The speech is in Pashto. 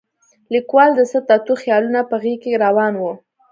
لیکوال د څه تتو خیالونه په غېږ کې راون و.